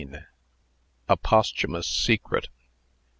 A POSTHUMOUS SECRET.